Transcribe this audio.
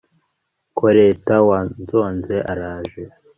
koleta wanzonze araje